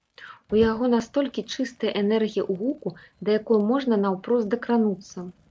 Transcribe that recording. У яго настолькі чыстая энергія ў гуку, да якой можна наўпрост дакрануцца!